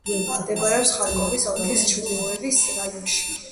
მდებარეობს ხარკოვის ოლქის ჩუგუევის რაიონში.